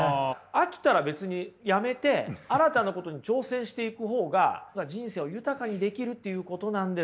飽きたら別にやめて新たなことに挑戦していく方が人生を豊かにできるっていうことなんですよ。